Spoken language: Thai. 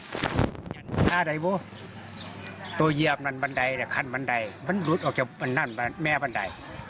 แต่ก็ไม่รู้เดี๋ยวเดียวตัดบันไดดัดขันบันไดมันรุดออกจากอันนั้นแม่บันได